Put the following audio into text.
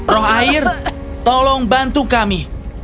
roh air tolong bantu kami